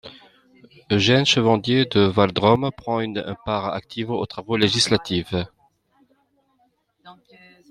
Eugène Chevandier de Valdrome prend une part active aux travaux législatifs.